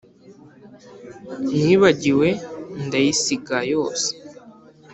nibagiwe ndayisiga yose